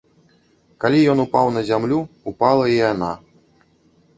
Калі ён упаў на зямлю, упала і яна.